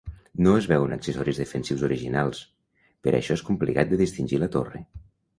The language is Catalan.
No es veuen accessoris defensius originals, per això és complicat de distingir la torre.